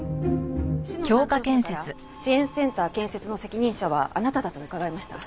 市の担当者から支援センター建設の責任者はあなただと伺いました。